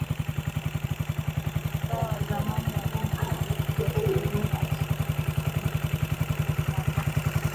s wa zamani wa cote deivoire akishika mkia kwa aslimia ishirini na saba